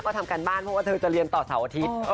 ก็ทำการบ้านเพราะว่าเธอจะเรียนต่อเสาร์อาทิตย์